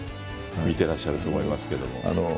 見てらっしゃると思いますけども。